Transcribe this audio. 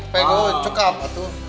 pegu cukup tuh